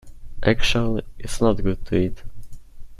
Eggshell is not good to eat.